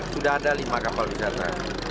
sudah ada lima kapal wisata